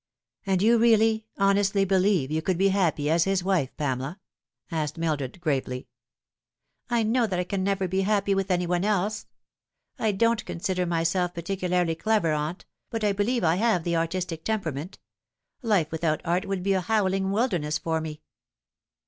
" And you really, honestly believe you could be happy as his wife, Pamela ?" asked Mildred gravely. " I know that I can never be happy with any one else. I don't consider myself particularly clever, aunt, but I believe I have the artistic temperament. Life without art would be a howling wilderness for me."